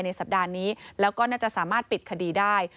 ผ่านสัปดาห์นี้แล้วก็สามารถปิดคดีได้